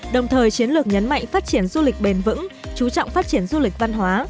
đồng thời chiến lược nhấn mạnh phát triển du lịch bền vững chú trọng phát triển du lịch văn hóa